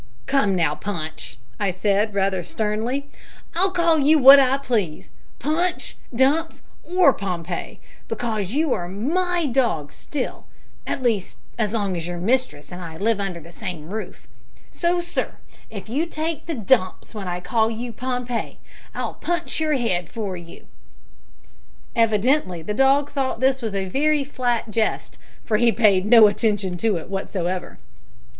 "Come now, Punch," I said, rather sternly; "I'll call you what I please Punch, Dumps, or Pompey because you are my dog still, at least as long as your mistress and I live under the same roof; so, sir, if you take the Dumps when I call you Pompey, I'll punch your head for you." Evidently the dog thought this a very flat jest, for he paid no attention to it whatever.